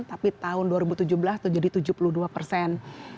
tapi tahun dua ribu tujuh belas itu jadi tujuh puluh dua persen